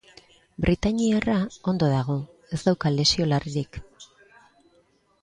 Britainiarra ondo dago, ez dauka lesio larririk.